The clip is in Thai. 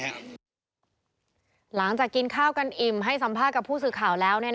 หลังจากกินข้าวกันอิ่มให้สัมภาษณ์กับผู้สื่อข่าวแล้ว